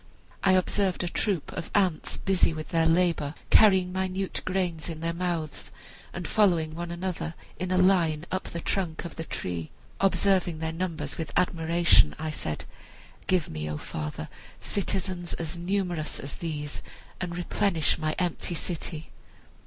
I observed a troop of ants busy with their labor, carrying minute grains in their mouths and following one another in a line up the trunk of the tree. Observing their numbers with admiration, I said, 'Give me, O father, citizens as numerous as these, and replenish my empty city.'